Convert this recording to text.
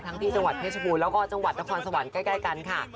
ที่จังหวัดเพชรบูรณ์แล้วก็จังหวัดนครสวรรค์ใกล้กันค่ะ